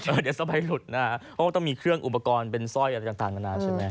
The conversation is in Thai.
ก็ไปหลุดนะครับเพราะต้องมีเครื่องอุปกรณ์เป็นสร้อยอะไรต่างมานานใช่ไหม